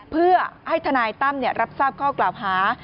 เพื่อให้ทนายตั้มรับทราบข้อกล่าวหา